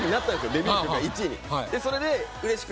デビュー曲が１位に。